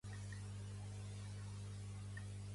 Aquesta accedeix a fer-ho ella?